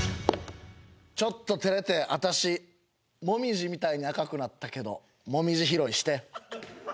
ちょっと照れてあたし紅葉みたいに赤くなったけど紅葉拾いして。